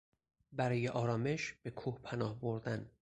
برای آرامش به کوه پناه بردن